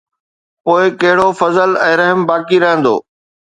پوءِ ڪهڙو فضل ۽ رحم باقي رهندو؟